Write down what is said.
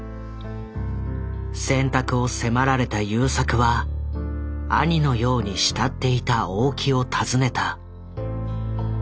選択を迫られた優作は兄のように慕っていた大木を訪ねた。